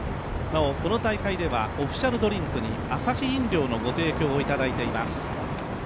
なお、この大会ではオフィシャルドリンクにアサヒ飲料のご提供をいただいています。